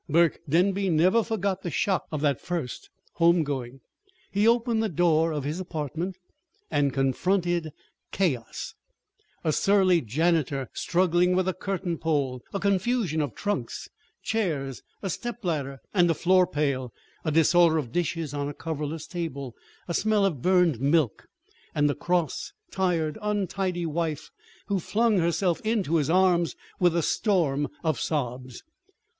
Burke Denby never forgot the shock of that first home going. He opened the door of his apartment and confronted chaos: a surly janitor struggling with a curtain pole, a confusion of trunks, chairs, a stepladder, and a floor pail, a disorder of dishes on a coverless table, a smell of burned milk, and a cross, tired, untidy wife who flung herself into his arms with a storm of sobs.